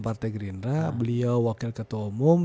partai gerindra beliau wakil ketua umum